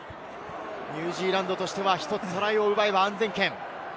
ニュージーランドとしてはトライを奪えば安全圏。